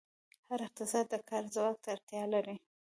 هر اقتصاد د کار ځواک ته اړتیا لري.